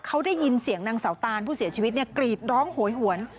เขาได้ยินเสียงนางเสาตานผู้เสียชีวิตกรีดร้องโหยหวน